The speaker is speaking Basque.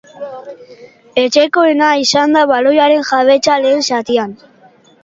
Etxekoena izan da baloiaren-jabetza lehen zatian.